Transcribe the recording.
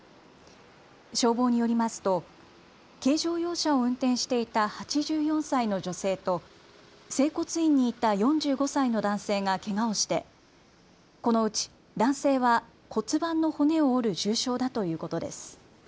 消防によりますと軽乗用車を運転していた８４歳の女性と整骨院にいた４５歳の男性がけがをしてこのうち男性骨盤の骨を折る重傷だということです。